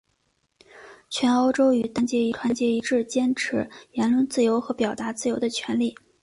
全欧洲与丹麦团结一致坚持言论自由和表达自由的权利。